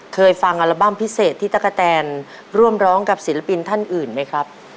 เคยฟังอัลบั้มพิเศษที่ตะกะแตนร่วมร้องกับศิลปินท่านอื่นไหมครับ